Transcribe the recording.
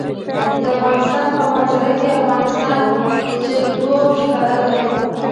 د افغانستان په منظره کې د افغانستان جلکو ښکاره ده.